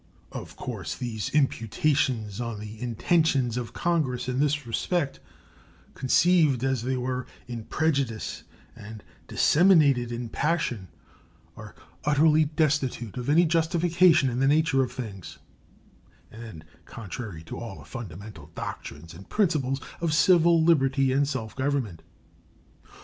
Of course these imputations on the intentions of Congress in this respect, conceived, as they were, in prejudice and disseminated in passion, are utterly destitute of any justification in the nature of things and contrary to all the fundamental doctrines and principles of civil liberty and self government.